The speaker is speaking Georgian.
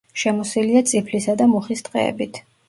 შემოსილია წიფლისა და მუხის ტყეებით.